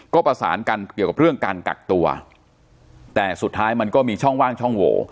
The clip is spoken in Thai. ก็ประสานกันเกี่ยวกับเรื่องการกักตัวแต่สุดท้ายมันก็มีช่องว่างช่องโหว